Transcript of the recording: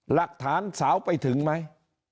หลักฐานสาวไปถึงไหม